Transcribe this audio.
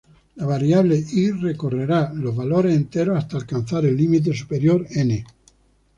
La variable "i" recorrerá los valores enteros hasta alcanzar el límite superior, "n".